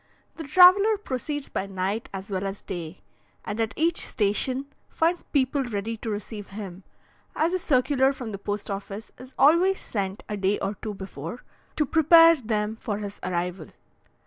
The traveller proceeds by night as well as day, and at each station finds people ready to receive him, as a circular from the post office is always sent a day or two before, to prepare them for his arrival.